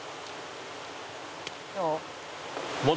「どう？」